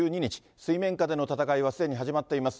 水面下での戦いはすでに始まっています。